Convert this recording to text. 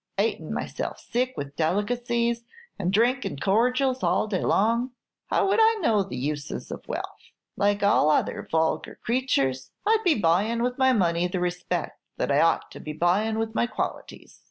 "Atin' myself sick with delicacies, and drinkin' cordials all day long. How would I know the uses of wealth? Like all other vulgar creatures, I 'd be buyin' with my money the respect that I ought to be buyin' with my qualities.